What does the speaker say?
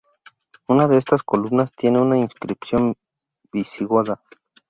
Una de estas columnas tiene una inscripción visigoda.